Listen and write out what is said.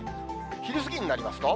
昼過ぎになりますと。